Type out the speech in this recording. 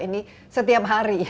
ini setiap hari